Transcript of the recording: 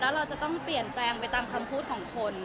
เราจะต้องเปลี่ยนแปลงไปตามคำพูดของคน